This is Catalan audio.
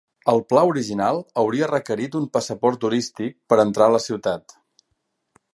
El pla original hauria requerit un "passaport turístic" per a entrar a la ciutat.